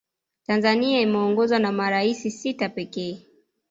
tanzania imeongozwa na maraisi sita pekee